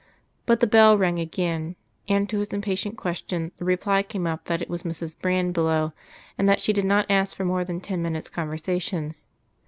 But the bell rang again, and to his impatient question, the reply came up that it was Mrs. Brand below, and that she did not ask for more than ten minutes' conversation.